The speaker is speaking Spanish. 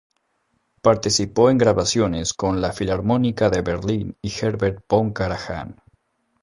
Participó en grabaciones con la Filarmónica de Berlín y Herbert von Karajan.